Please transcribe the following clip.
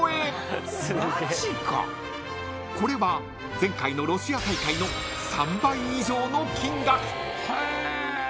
［これは前回のロシア大会の３倍以上の金額］